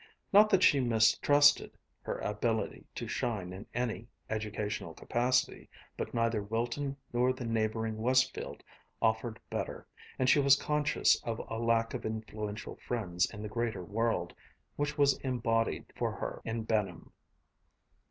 Not that she mistrusted her ability to shine in any educational capacity, but neither Wilton nor the neighboring Westfield offered better, and she was conscious of a lack of influential friends in the greater world, which was embodied for her in Benham.